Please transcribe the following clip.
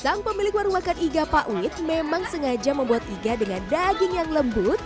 sang pemilik warung makan iga pak wit memang sengaja membuat iga dengan daging yang lembut